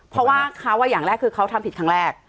เพราะว่าเขาอย่างแรกคือเขาทำผิดครั้งแรก